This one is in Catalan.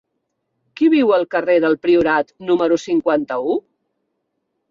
Qui viu al carrer del Priorat número cinquanta-u?